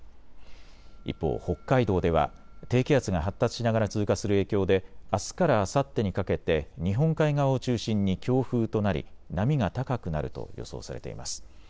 一方、北海道では低気圧が発達しながら通過する影響であすからあさってにかけて日本海側を中心に強風となり波が高くなると予想されています。